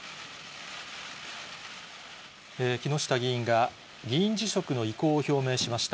木下議員が、議員辞職の意向を表明しました。